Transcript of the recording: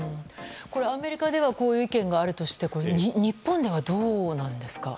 アメリカではこういう意見があるとして日本ではどうなんですか？